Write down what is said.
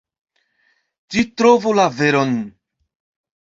Ĝi trovu la veron.